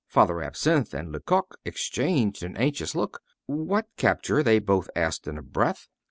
Father Absinthe and Lecoq exchanged an anxious look. "What capture?" they both asked in a breath.